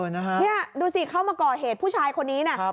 นะฮะเนี้ยดูสิเข้ามาก่อเหตุผู้ชายคนนี้น่ะครับ